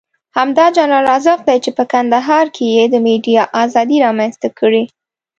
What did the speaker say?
همدا جنرال رازق دی چې په کندهار کې یې د ميډيا ازادي رامنځته کړې.